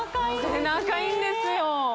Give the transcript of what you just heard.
背中いいんですよ